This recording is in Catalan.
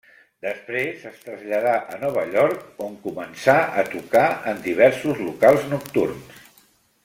Després es traslladà a Nova York, on començà a tocar en diversos locals nocturns.